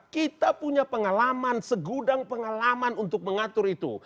kita punya pengalaman segudang pengalaman untuk mengatur itu